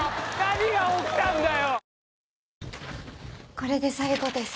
これで最後です。